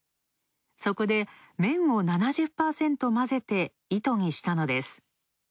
そこで、綿を７０％混ぜて糸にしたのです。